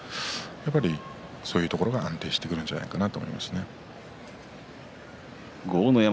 やっぱり、そういうところが安定してくるんじゃないかなと思いますね。